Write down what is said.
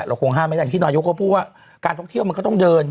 เรากดที่นายุโกพู่ว่าการตกเที่ยวมันก็ต้องเดิน